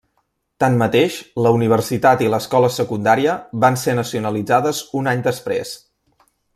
Tanmateix, la universitat i l'escola secundària van ser nacionalitzades un any després.